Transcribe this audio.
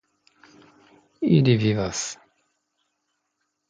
Ili vivas.